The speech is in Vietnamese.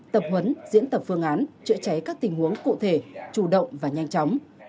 tập huấn diễn tập phương án chữa cháy các tình huống cụ thể chủ động và nhanh chóng